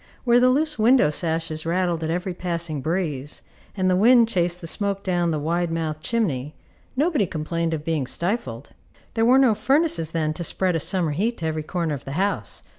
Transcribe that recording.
Where the loose window sashes rattled at every passing breeze, and the wind chased the smoke down the wide mouthed chimney, nobody complained of being stifled. There were no furnaces then to spread a summer heat to every corner of the house.